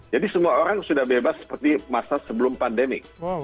jadi semua orang sudah bebas seperti masa sebelum pandemi